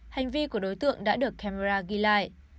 hành vi của đối tượng đã được camera ghi lại